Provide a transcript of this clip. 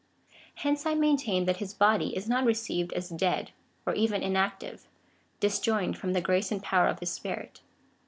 Hence I maintain, that his body is not received as dead, or even inactive, disjoined from the grace and power of his Spirit.